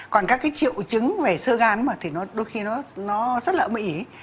còn các triệu chứng về sơ gan đôi khi nó rất là ấm ỉ